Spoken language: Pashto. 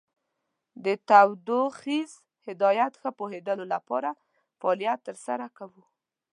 د تودوخیز هدایت ښه پوهیدلو لپاره فعالیت تر سره کوو.